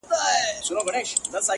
o کور مي د بلا په لاس کي وليدی،